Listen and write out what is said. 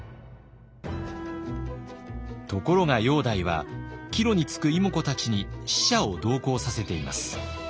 ところが煬帝は帰路につく妹子たちに使者を同行させています。